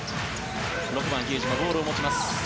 ６番、比江島ボールを持ちます。